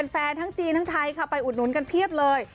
ทั้งจีนทั้งไทยค่ะไปอุดหนุนกันเพียบเลย